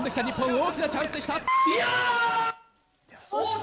大きなチャンスでした。